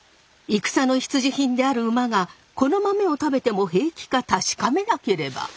戦の必需品である馬がこの豆を食べても平気か確かめなければ。